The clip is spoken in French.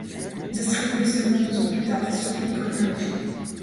Distribué seulement deux ans plus tard, ce film connaît un échec.